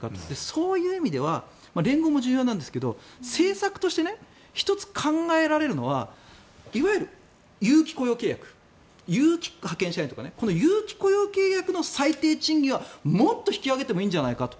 そういう意味では連合も重要なんですけど政策として１つ考えられるのはいわゆる有期雇用契約有期派遣社員とかねこの有期雇用契約の最低賃金はもっと引き上げてもいいんじゃないかと。